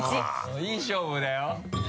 いい勝負だよ。